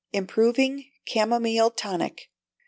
Improving Camomile Tonic.